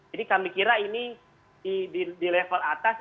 jadi kami kira ini di level atas